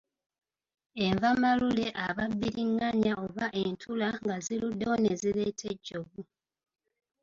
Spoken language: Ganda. Enva malule aba bbiriŋŋanya oba entula nga ziruddewo ne zireeta ejjovu.